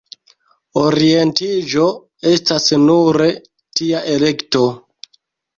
Orientiĝo estas nure tia elekto.